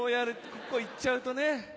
ここいっちゃうとね